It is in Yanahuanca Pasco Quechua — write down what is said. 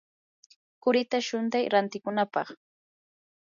qurita shuntay rantikunapaq.